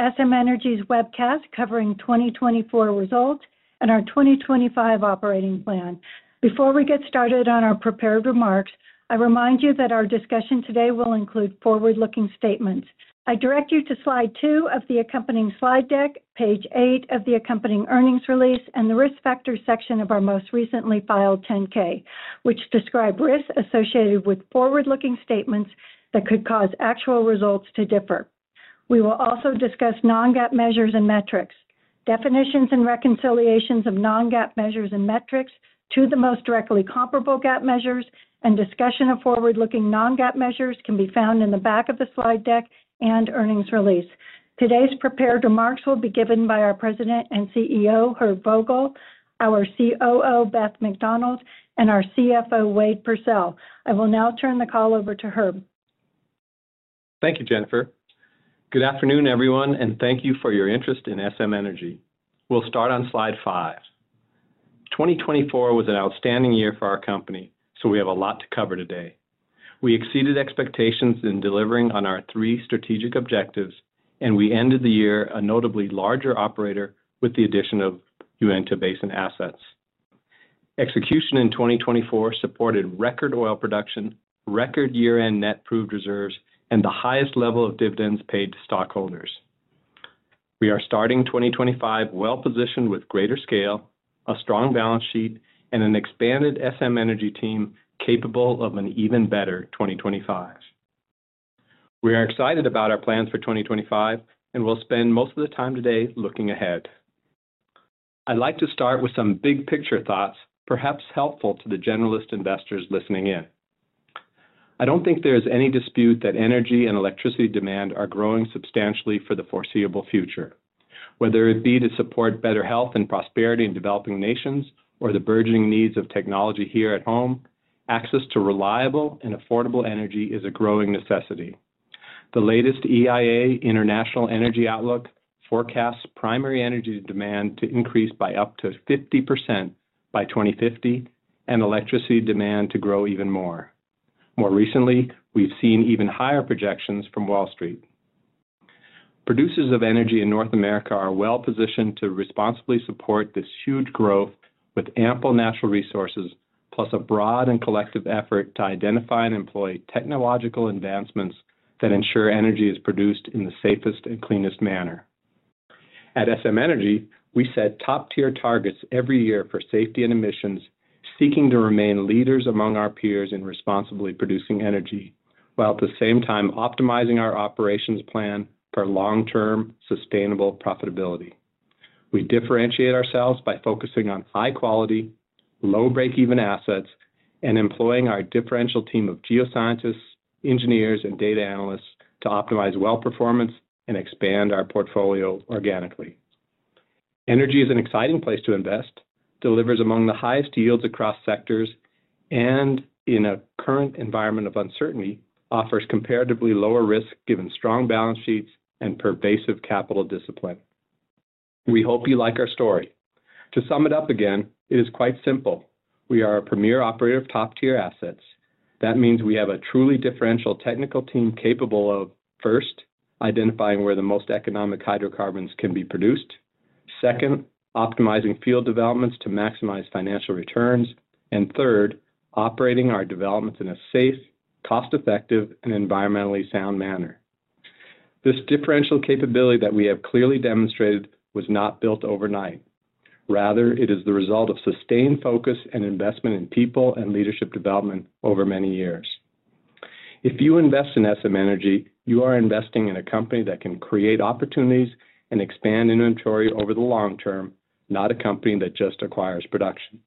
SM Energy's webcast covering 2024 results and our 2025 operating plan. Before we get started on our prepared remarks, I remind you that our discussion today will include forward-looking statements. I direct you to slide two of the accompanying slide deck, page eight of the accompanying earnings release, and the risk factor section of our most recently filed 10-K, which describe risks associated with forward-looking statements that could cause actual results to differ. We will also discuss non-GAAP measures and metrics, definitions and reconciliations of non-GAAP measures and metrics to the most directly comparable GAAP measures, and discussion of forward-looking non-GAAP measures can be found in the back of the slide deck and earnings release. Today's prepared remarks will be given by our President and CEO, Herb Vogel, our COO, Beth McDonald, and our CFO, Wade Pursell. I will now turn the call over to Herb. Thank you, Jennifer. Good afternoon, everyone, and thank you for your interest in SM Energy. We'll start on slide 5. 2024 was an outstanding year for our company, so we have a lot to cover today. We exceeded expectations in delivering on our three strategic objectives, and we ended the year a notably larger operator with the addition of Uinta Basin assets. Execution in 2024 supported record oil production, record year-end net proved reserves, and the highest level of dividends paid to stockholders. We are starting 2025 well-positioned with greater scale, a strong balance sheet, and an expanded SM Energy team capable of an even better 2025. We are excited about our plans for 2025, and we'll spend most of the time today looking ahead. I'd like to start with some big-picture thoughts, perhaps helpful to the generalist investors listening in. I don't think there is any dispute that energy and electricity demand are growing substantially for the foreseeable future. Whether it be to support better health and prosperity in developing nations or the burgeoning needs of technology here at home, access to reliable and affordable energy is a growing necessity. The latest EIA International Energy Outlook forecasts primary energy demand to increase by up to 50% by 2050, and electricity demand to grow even more. More recently, we've seen even higher projections from Wall Street. Producers of energy in North America are well-positioned to responsibly support this huge growth with ample natural resources, plus a broad and collective effort to identify and employ technological advancements that ensure energy is produced in the safest and cleanest manner. At SM Energy, we set top-tier targets every year for safety and emissions, seeking to remain leaders among our peers in responsibly producing energy, while at the same time optimizing our operations plan for long-term sustainable profitability. We differentiate ourselves by focusing on high-quality, low-break-even assets and employing our differential team of geoscientists, engineers, and data analysts to optimize well-performance and expand our portfolio organically. Energy is an exciting place to invest, delivers among the highest yields across sectors, and in a current environment of uncertainty, offers comparatively lower risk given strong balance sheets and pervasive capital discipline. We hope you like our story. To sum it up again, it is quite simple. We are a premier operator of top-tier assets. That means we have a truly differential technical team capable of, first, identifying where the most economic hydrocarbons can be produced, second, optimizing field developments to maximize financial returns, and third, operating our developments in a safe, cost-effective, and environmentally sound manner. This differential capability that we have clearly demonstrated was not built overnight. Rather, it is the result of sustained focus and investment in people and leadership development over many years. If you invest in SM Energy, you are investing in a company that can create opportunities and expand inventory over the long term, not a company that just acquires production.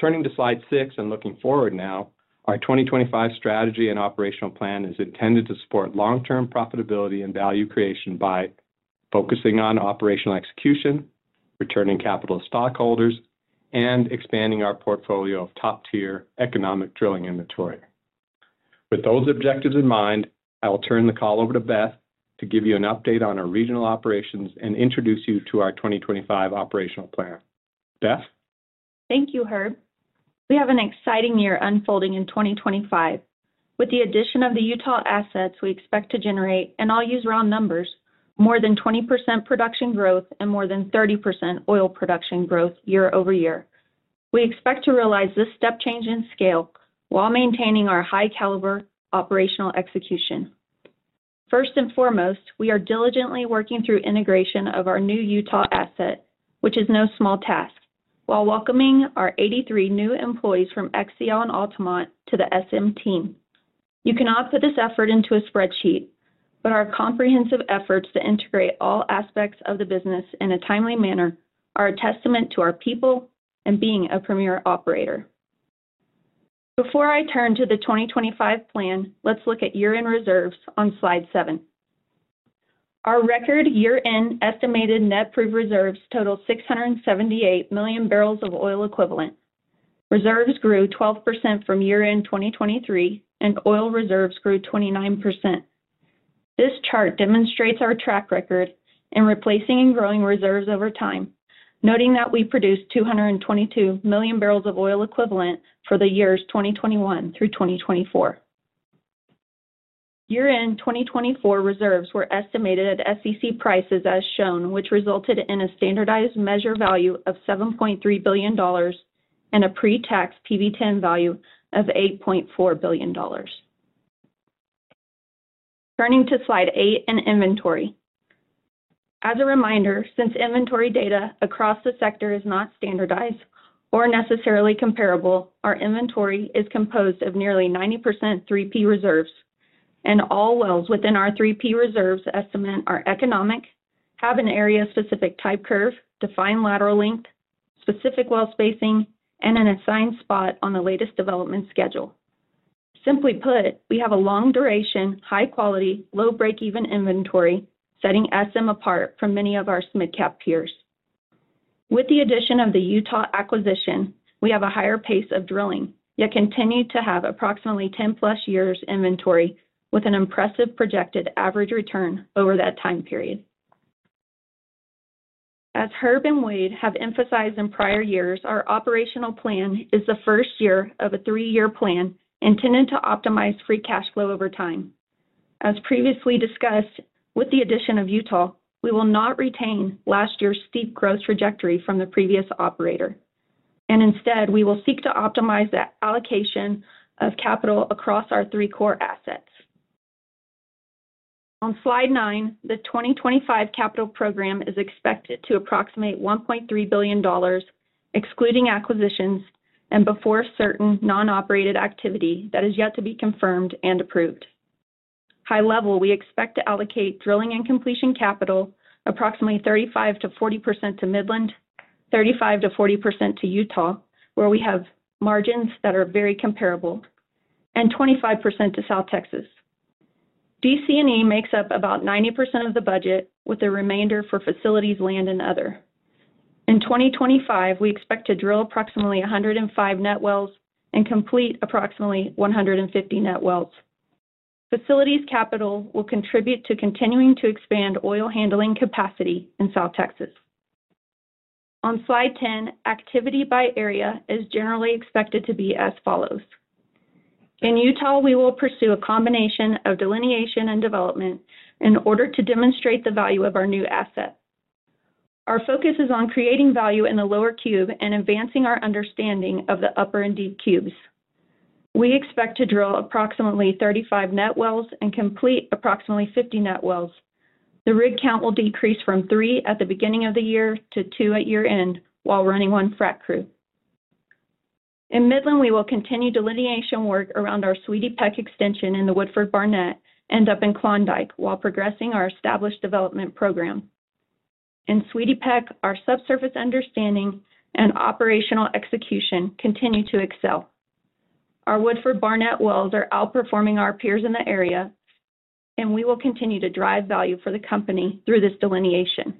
Turning to slide six and looking forward now, our 2025 strategy and operational plan is intended to support long-term profitability and value creation by focusing on operational execution, returning capital to stockholders, and expanding our portfolio of top-tier economic drilling inventory. With those objectives in mind, I will turn the call over to Beth to give you an update on our regional operations and introduce you to our 2025 operational plan. Beth? Thank you, Herb. We have an exciting year unfolding in 2025. With the addition of the Utah assets we expect to generate, and I'll use round numbers, more than 20% production growth and more than 30% oil production growth year over year. We expect to realize this step change in scale while maintaining our high-caliber operational execution. First and foremost, we are diligently working through integration of our new Utah asset, which is no small task, while welcoming our 83 new employees from XCL Resources to the SM team. You cannot put this effort into a spreadsheet, but our comprehensive efforts to integrate all aspects of the business in a timely manner are a testament to our people and being a premier operator. Before I turn to the 2025 plan, let's look at year-end reserves on slide 7. Our record year-end estimated net proved reserves total 678 million barrels of oil equivalent. Reserves grew 12% from year-end 2023, and oil reserves grew 29%. This chart demonstrates our track record in replacing and growing reserves over time, noting that we produced 222 million barrels of oil equivalent for the years 2021 through 2024. Year-end 2024 reserves were estimated at SEC prices as shown, which resulted in a standardized measure value of $7.3 billion and a pre-tax PV-10 value of $8.4 billion. Turning to slide 8 and inventory. As a reminder, since inventory data across the sector is not standardized or necessarily comparable, our inventory is composed of nearly 90% 3P reserves, and all wells within our 3P reserves estimate are economic, have an area-specific type curve, defined lateral length, specific well spacing, and an assigned spot on the latest development schedule. Simply put, we have a long-duration, high-quality, low-break-even inventory, setting SM apart from many of our mid-cap peers. With the addition of the Utah acquisition, we have a higher pace of drilling, yet continue to have approximately 10-plus years inventory with an impressive projected average return over that time period. As Herb and Wade have emphasized in prior years, our operational plan is the first year of a three-year plan intended to optimize free cash flow over time. As previously discussed, with the addition of Utah, we will not retain last year's steep growth trajectory from the previous operator, and instead, we will seek to optimize that allocation of capital across our three core assets. On slide 9, the 2025 capital program is expected to approximate $1.3 billion, excluding acquisitions and before certain non-operated activity that is yet to be confirmed and approved. High level, we expect to allocate drilling and completion capital approximately 35%-40% to Midland, 35%-40% to Utah, where we have margins that are very comparable, and 25% to South Texas. DC&E makes up about 90% of the budget, with the remainder for facilities, land, and other. In 2025, we expect to drill approximately 105 net wells and complete approximately 150 net wells. Facilities capital will contribute to continuing to expand oil handling capacity in South Texas. On slide 10, activity by area is generally expected to be as follows. In Utah, we will pursue a combination of delineation and development in order to demonstrate the value of our new asset. Our focus is on creating value in the Lower Cube and advancing our understanding of the Upper and Deep Cubes. We expect to drill approximately 35 net wells and complete approximately 50 net wells. The rig count will decrease from three at the beginning of the year to two at year-end while running one frac crew. In Midland, we will continue delineation work around our Sweetie Peck extension in the Woodford Barnett and up in Klondike while progressing our established development program. In Sweetie Peck, our subsurface understanding and operational execution continue to excel. Our Woodford Barnett wells are outperforming our peers in the area, and we will continue to drive value for the company through this delineation.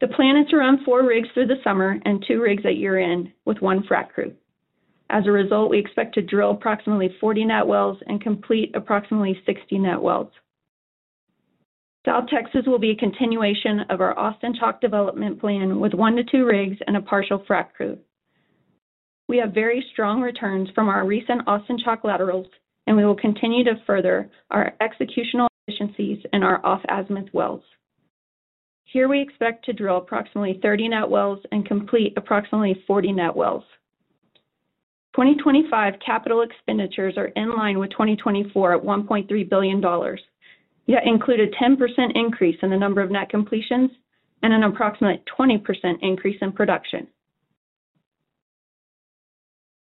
The plan is to run four rigs through the summer and two rigs at year-end with one frac crew. As a result, we expect to drill approximately 40 net wells and complete approximately 60 net wells. South Texas will be a continuation of our Austin Chalk development plan with one to two rigs and a partial frac crew. We have very strong returns from our recent Austin Chalk laterals, and we will continue to further our executional efficiencies in our Eagle Ford wells. Here, we expect to drill approximately 30 net wells and complete approximately 40 net wells. 2025 capital expenditures are in line with 2024 at $1.3 billion, yet include a 10% increase in the number of net completions and an approximate 20% increase in production.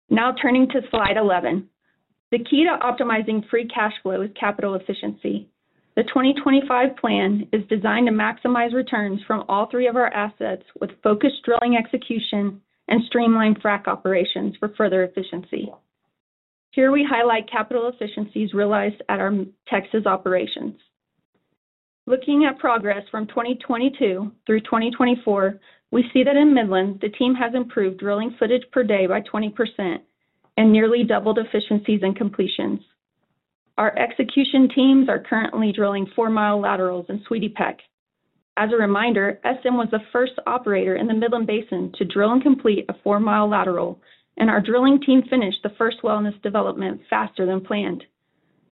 Now turning to slide 11. The key to optimizing free cash flow is capital efficiency. The 2025 plan is designed to maximize returns from all three of our assets with focused drilling execution and streamlined frac operations for further efficiency. Here, we highlight capital efficiencies realized at our Texas operations. Looking at progress from 2022 through 2024, we see that in Midland, the team has improved drilling footage per day by 20% and nearly doubled efficiencies and completions. Our execution teams are currently drilling four-mile laterals in Sweetie Peck. As a reminder, SM was the first operator in the Midland Basin to drill and complete a four-mile lateral, and our drilling team finished the first well in this development faster than planned.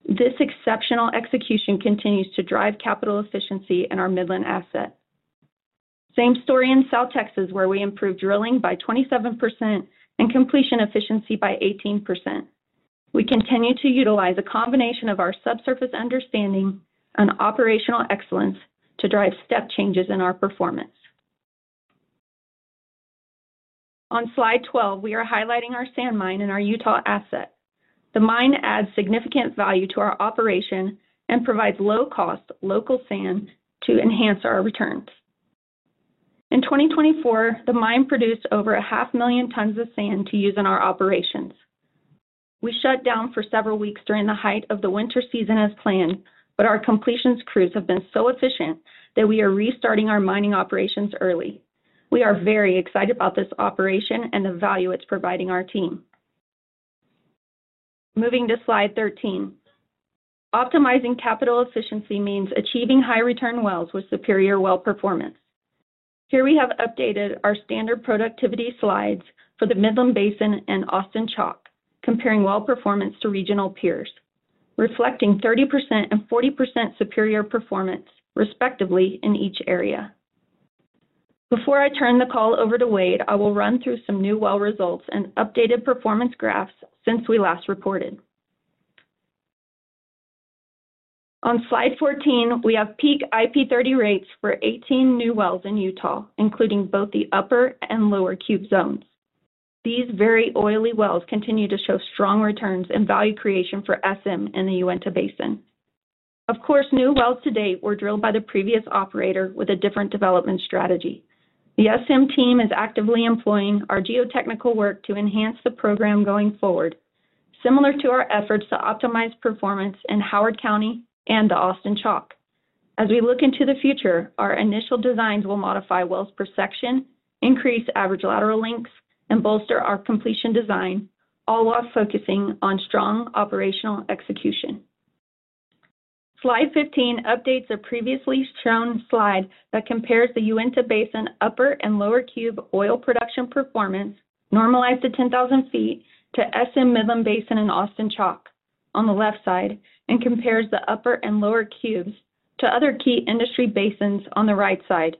This exceptional execution continues to drive capital efficiency in our Midland asset. Same story in South Texas, where we improved drilling by 27% and completion efficiency by 18%. We continue to utilize a combination of our subsurface understanding and operational excellence to drive step changes in our performance. On slide 12, we are highlighting our sand mine and our Utah asset. The mine adds significant value to our operation and provides low-cost local sand to enhance our returns. In 2024, the mine produced over 500,000 tons of sand to use in our operations. We shut down for several weeks during the height of the winter season as planned, but our completions crews have been so efficient that we are restarting our mining operations early. We are very excited about this operation and the value it's providing our team. Moving to slide 13. Optimizing capital efficiency means achieving high-return wells with superior well performance. Here, we have updated our standard productivity slides for the Midland Basin and Austin Chalk, comparing well performance to regional peers, reflecting 30% and 40% superior performance, respectively, in each area. Before I turn the call over to Wade, I will run through some new well results and updated performance graphs since we last reported. On slide 14, we have peak IP30 rates for 18 new wells in Utah, including both the Upper and Lower Cube zones. These very oily wells continue to show strong returns and value creation for SM in the Uinta Basin. Of course, new wells today were drilled by the previous operator with a different development strategy. The SM team is actively employing our geotechnical work to enhance the program going forward, similar to our efforts to optimize performance in Howard County and the Austin Chalk. As we look into the future, our initial designs will modify wells per section, increase average lateral lengths, and bolster our completion design, all while focusing on strong operational execution. Slide 15 updates a previously shown slide that compares the Uinta Basin Upper and Lower Cube oil production performance normalized to 10,000 feet to SM Midland Basin and Austin Chalk on the left side and compares the Upper and Lower Cubes to other key industry basins on the right side,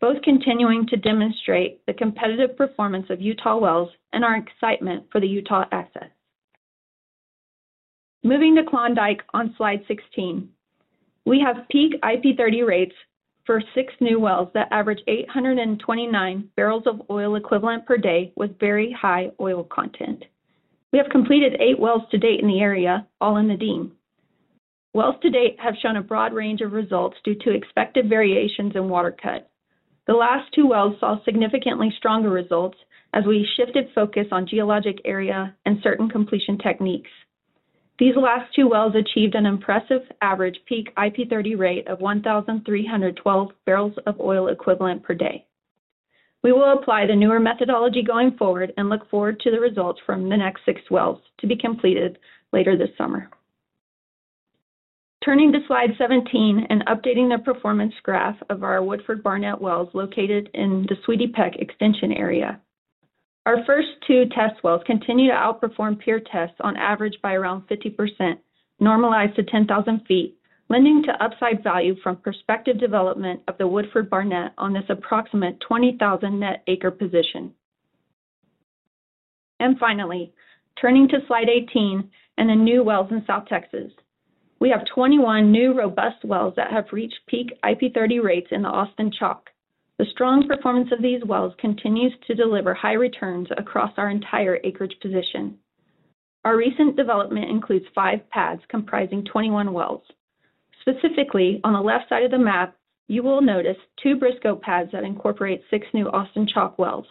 both continuing to demonstrate the competitive performance of Utah wells and our excitement for the Utah assets. Moving to Klondike on slide 16. We have peak IP30 rates for six new wells that average 829 barrels of oil equivalent per day with very high oil content. We have completed eight wells to date in the area, all in the Dean. Wells to date have shown a broad range of results due to expected variations in water cut. The last two wells saw significantly stronger results as we shifted focus on geologic area and certain completion techniques. These last two wells achieved an impressive average peak IP30 rate of 1,312 barrels of oil equivalent per day. We will apply the newer methodology going forward and look forward to the results from the next six wells to be completed later this summer. Turning to slide 17 and updating the performance graph of our Woodford Barnett wells located in the Sweetie Peck extension area. Our first two test wells continue to outperform peer tests on average by around 50%, normalized to 10,000 feet, lending to upside value from prospective development of the Woodford Barnett on this approximate 20,000 net acres position. Finally, turning to slide 18 and the new wells in South Texas. We have 21 new robust wells that have reached peak IP30 rates in the Austin Chalk. The strong performance of these wells continues to deliver high returns across our entire acreage position. Our recent development includes five pads comprising 21 wells. Specifically, on the left side of the map, you will notice two Briscoe pads that incorporate six new Austin Chalk wells.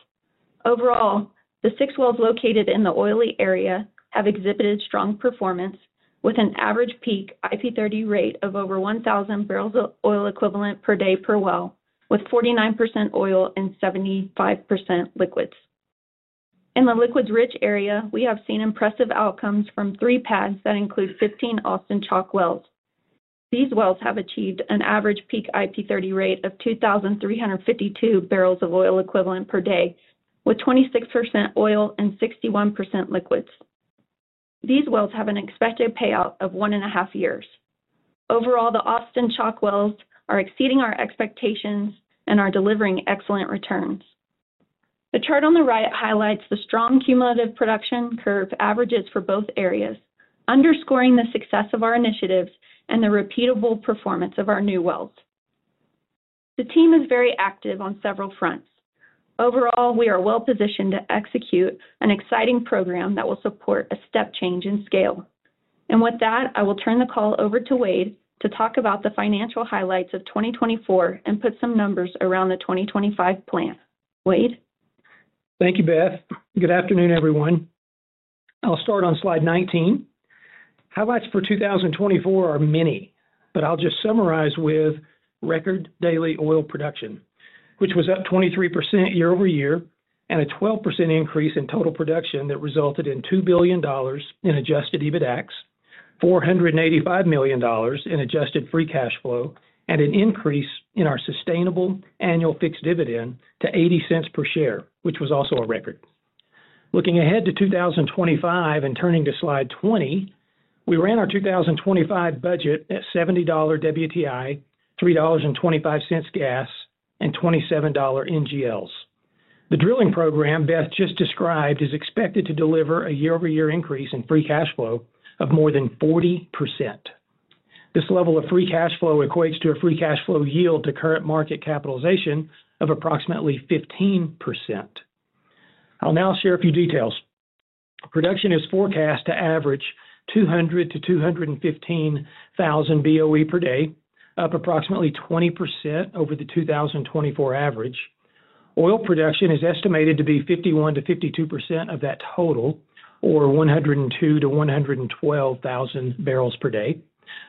Overall, the six wells located in the oily area have exhibited strong performance with an average peak IP30 rate of over 1,000 barrels of oil equivalent per day per well, with 49% oil and 75% liquids. In the liquids-rich area, we have seen impressive outcomes from three pads that include 15 Austin Chalk wells. These wells have achieved an average peak IP30 rate of 2,352 barrels of oil equivalent per day, with 26% oil and 61% liquids. These wells have an expected payout of one and a half years. Overall, the Austin Chalk wells are exceeding our expectations and are delivering excellent returns. The chart on the right highlights the strong cumulative production curve averages for both areas, underscoring the success of our initiatives and the repeatable performance of our new wells. The team is very active on several fronts. Overall, we are well positioned to execute an exciting program that will support a step change in scale. And with that, I will turn the call over to Wade to talk about the financial highlights of 2024 and put some numbers around the 2025 plan. Wade. Thank you, Beth. Good afternoon, everyone. I'll start on slide 19. Highlights for 2024 are many, but I'll just summarize with record daily oil production, which was up 23% year over year and a 12% increase in total production that resulted in $2 billion in Adjusted EBITDAX, $485 million in adjusted free cash flow, and an increase in our sustainable annual fixed dividend to $0.80 per share, which was also a record. Looking ahead to 2025 and turning to slide 20, we ran our 2025 budget at $70 WTI, $3.25 gas, and $27 NGLs. The drilling program Beth just described is expected to deliver a year-over-year increase in free cash flow of more than 40%. This level of free cash flow equates to a free cash flow yield to current market capitalization of approximately 15%. I'll now share a few details. Production is forecast to average 200,000 to 215,000 BOE per day, up approximately 20% over the 2024 average. Oil production is estimated to be 51%-52% of that total, or 102,000-112,000 barrels per day,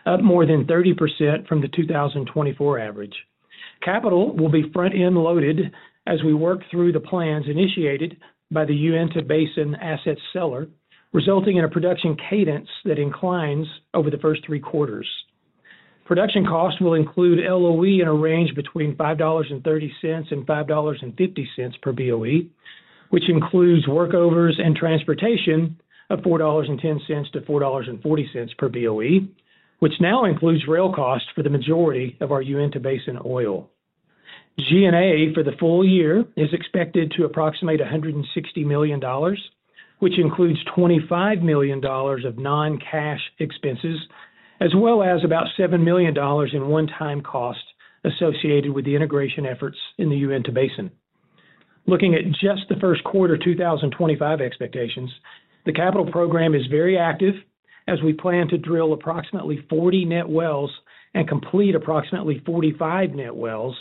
up more than 30% from the 2024 average. Capital will be front-end loaded as we work through the plans initiated by the Uinta Basin asset seller, resulting in a production cadence that inclines over the first three quarters. Production costs will include LOE in a range between $5.30 and $5.50 per BOE, which includes workovers and transportation of $4.10-$4.40 per BOE, which now includes rail costs for the majority of our Uinta Basin oil. G&A for the full year is expected to approximate $160 million, which includes $25 million of non-cash expenses, as well as about $7 million in one-time costs associated with the integration efforts in the Uinta Basin. Looking at just the first quarter 2025 expectations, the capital program is very active as we plan to drill approximately 40 net wells and complete approximately 45 net wells.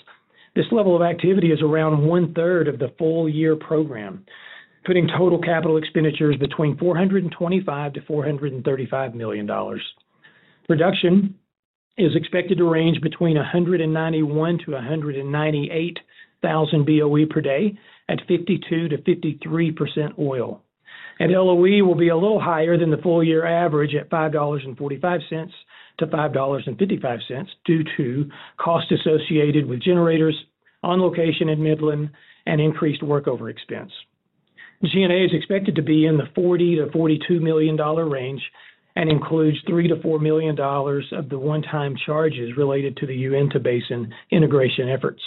This level of activity is around one-third of the full-year program, putting total capital expenditures between $425 million-$435 million. Production is expected to range between 191,000-198,000 BOE per day at 52%-53% oil, and LOE will be a little higher than the full-year average at $5.45-$5.55 due to costs associated with generators on location in Midland and increased workover expense. G&A is expected to be in the $40 million-$42 million range and includes $3 million-$4 million of the one-time charges related to the Uinta Basin integration efforts.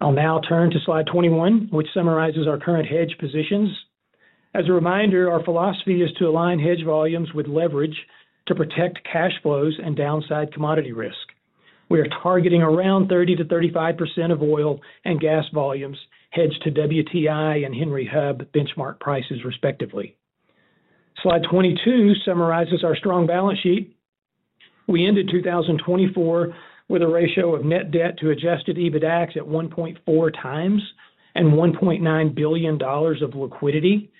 I'll now turn to slide 21, which summarizes our current hedge positions. As a reminder, our philosophy is to align hedge volumes with leverage to protect cash flows and downside commodity risk. We are targeting around 30%-35% of oil and gas volumes hedged to WTI and Henry Hub benchmark prices, respectively. Slide 22 summarizes our strong balance sheet. We ended 2024 with a ratio of net debt to Adjusted EBITDAX at 1.4 times and $1.9 billion of liquidity.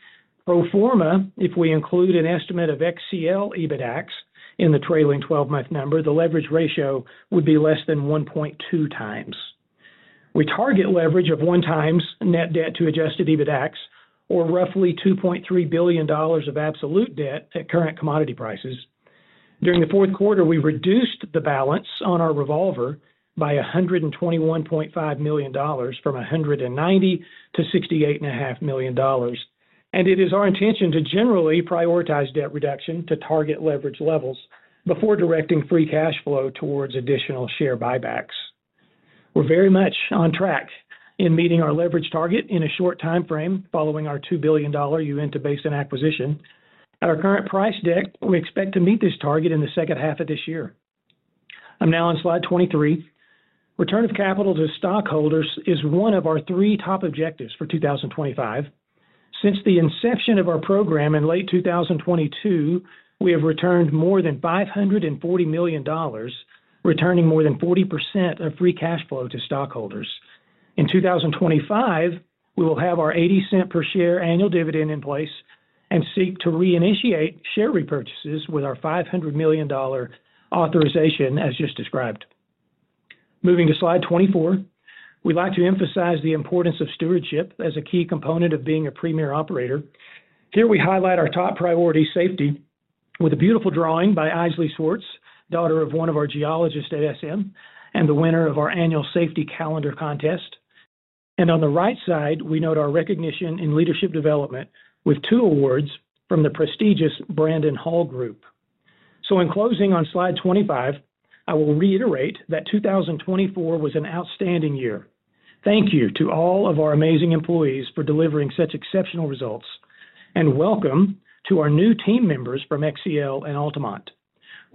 Pro forma, if we include an estimate of XCL EBITDAX in the trailing 12-month number, the leverage ratio would be less than 1.2 times. We target leverage of one-times net debt to Adjusted EBITDAX, or roughly $2.3 billion of absolute debt at current commodity prices. During the fourth quarter, we reduced the balance on our revolver by $121.5 million from $190,000 to $68.5 million. It is our intention to generally prioritize debt reduction to target leverage levels before directing free cash flow towards additional share buybacks. We're very much on track in meeting our leverage target in a short timeframe following our $2 billion Uinta Basin acquisition. At our current price deck, we expect to meet this target in the second half of this year. I'm now on slide 23. Return of capital to stockholders is one of our three top objectives for 2025. Since the inception of our program in late 2022, we have returned more than $540 million, returning more than 40% of free cash flow to stockholders. In 2025, we will have our $0.80 per share annual dividend in place and seek to reinitiate share repurchases with our $500 million authorization, as just described. Moving to slide 24, we'd like to emphasize the importance of stewardship as a key component of being a premier operator. Here, we highlight our top priority, safety, with a beautiful drawing by Aisley Swartz, daughter of one of our geologists at SM and the winner of our annual safety calendar contest, and on the right side, we note our recognition in leadership development with two awards from the prestigious Brandon Hall Group. So in closing on slide 25, I will reiterate that 2024 was an outstanding year. Thank you to all of our amazing employees for delivering such exceptional results, and welcome to our new team members from XCL and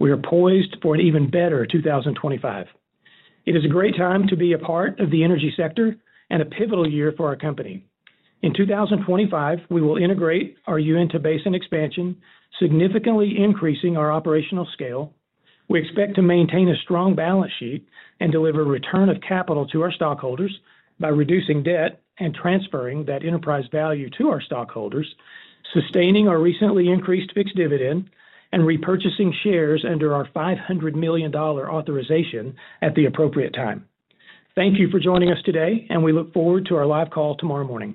Altamont. We are poised for an even better 2025. It is a great time to be a part of the energy sector and a pivotal year for our company. In 2025, we will integrate our Uinta Basin expansion, significantly increasing our operational scale. We expect to maintain a strong balance sheet and deliver return of capital to our stockholders by reducing debt and transferring that enterprise value to our stockholders, sustaining our recently increased fixed dividend, and repurchasing shares under our $500 million authorization at the appropriate time. Thank you for joining us today, and we look forward to our live call tomorrow morning.